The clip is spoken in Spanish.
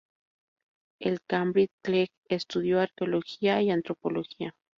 En Cambridge, Clegg estudió Arqueología y Antropología.